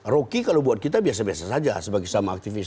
rocky kalau buat kita biasa biasa saja sebagai sama aktivis